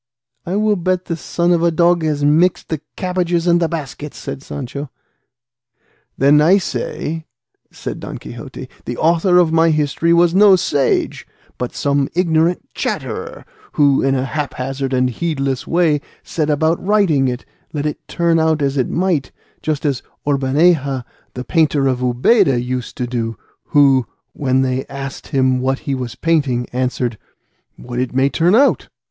"I will bet the son of a dog has mixed the cabbages and the baskets," said Sancho. "Then, I say," said Don Quixote, "the author of my history was no sage, but some ignorant chatterer, who, in a haphazard and heedless way, set about writing it, let it turn out as it might, just as Orbaneja, the painter of Ubeda, used to do, who, when they asked him what he was painting, answered, 'What it may turn out.